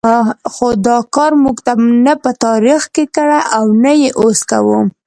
خو دا کار موږ نه په تاریخ کې کړی او نه یې اوس کوو.